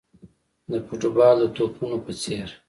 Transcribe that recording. د فوټبال د توپونو په څېر.